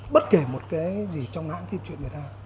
bất kể một cái gì trong hãng phim chuyện người ta